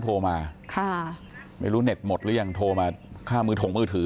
โทรมาค่ะไม่รู้เน็ตหมดหรือยังโทรมาค่ามือถงมือถือ